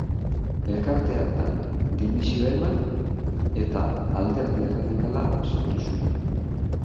Elkarte hartan dimisioa eman, eta Alderdi Erradikala sortu zuen.